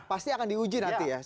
pasti akan diuji nanti ya